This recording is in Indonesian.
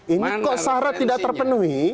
ini kok syarat tidak terpenuhi